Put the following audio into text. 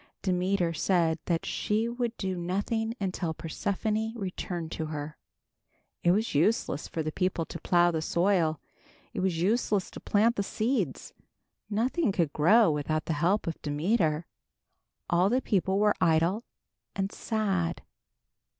Demeter said that she would do nothing until Persephone returned to her. It was useless for the people to plow the soil. It was useless to plant the seeds. Nothing could grow without the help of Demeter. All the people were idle and sad.